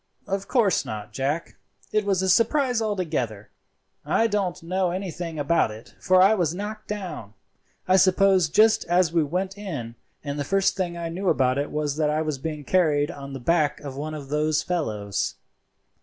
"Of course not, Jack; it was a surprise altogether. I don't know anything about it, for I was knocked down, I suppose, just as we went in, and the first thing I knew about it was that I was being carried on the back of one of those fellows.